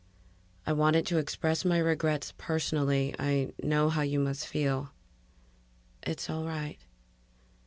"I wanted to express my regrets personally. I know how you must feel." "It's all right."